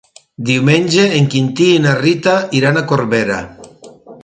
Diumenge en Quintí i na Rita iran a Corbera.